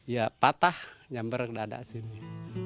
ya patah nyamper ke dadas ini